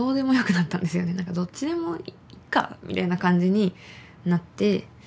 なんかどっちでもいいかみたいな感じになって。